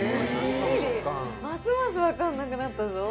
ますますわかんなくなったぞ。